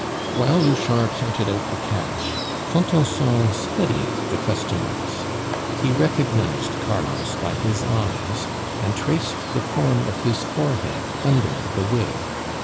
While Louchard counted out the cash, Contenson studied the customers. He recognized Carlos by his eyes, and traced the form of his forehead under the wig.